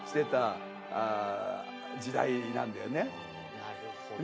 なるほどな。